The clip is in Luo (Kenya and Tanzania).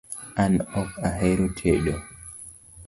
An ok ahero tedo